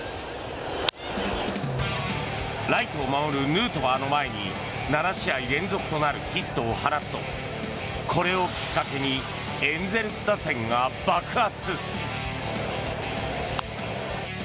ライトを守るヌートバーの前に７試合連続となるヒットを放つとこれをきっかけにエンゼルス打線が爆発。